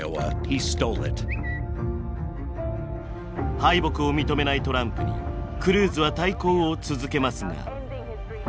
敗北を認めないトランプにクルーズは対抗を続けますが。